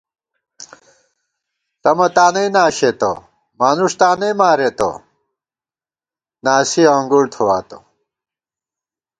ݪمہ تانئ ناشېتہ مانُݭ تانئ مارېتہ ناسِیَہ انگُڑ تھوواتہ